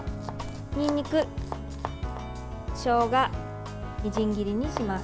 にんにく、しょうがをみじん切りにします。